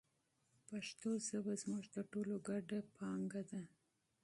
پښتو ژبه زموږ د ټولو ګډه سرمایه ده.